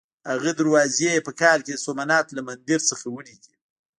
هغه دروازې یې په کال کې د سومنات له مندر څخه وړې دي.